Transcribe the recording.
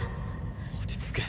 落ち着け。